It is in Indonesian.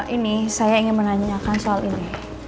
ini saya ingin menanyakan soal ini